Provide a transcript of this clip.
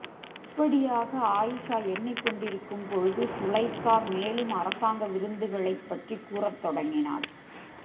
இப்படியாக ஆயிஷா எண்ணிக் கொண்டிருக்கும் பொழுது சுலெய்க்கா மேலும் அரசாங்க விருந்துகளைப்பற்றிக் கூறத் தொடங்கினாள்.